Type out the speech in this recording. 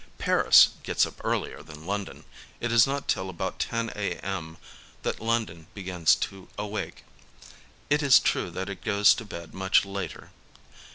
Paris gets up earlier than London, — it is not till about lo a. m. that London begins to awake, — ^it is true that it goes to bed much later.